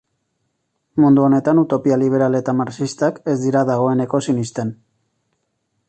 Mundu honetan utopia liberal eta Marxistak ez dira dagoeneko sinisten.